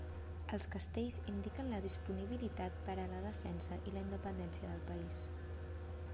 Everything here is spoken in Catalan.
Els castells indiquen la disponibilitat per a la defensa i la independència del país.